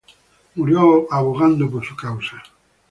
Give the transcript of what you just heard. Murió abogando por su causa.